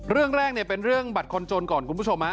เรื่องแรกเป็นเรื่องบัตรคนจนก่อนคุณผู้ชม